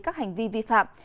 các hành vi vi phạm